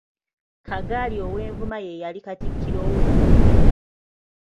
Kagali ow'Envuma ye yali Katikkiro we.